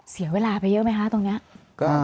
เสียเวลาไปเยอะไหมคะตรงนี้